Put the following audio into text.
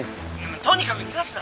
とにかく逃がすな！